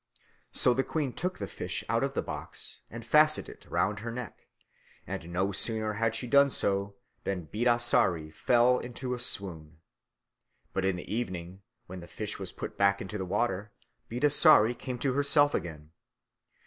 So the queen took the fish out of the box and fastened it round her neck; and no sooner had she done so than Bidasari fell into a swoon. But in the evening, when the fish was put back into the water, Bidasari came to herself again.